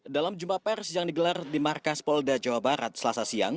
dalam jumpa pers yang digelar di markas polda jawa barat selasa siang